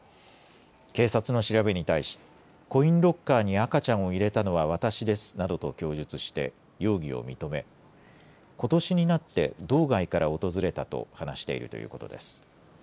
警察の調べに対しコインロッカーに赤ちゃんを入れたのは私ですなどと供述して容疑を認めことしになって道外から訪れたと話しているということです。